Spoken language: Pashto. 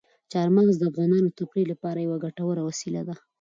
چار مغز د افغانانو د تفریح لپاره یوه ګټوره وسیله ده.